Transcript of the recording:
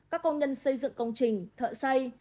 các công nhân xây dựng công trình thợ xây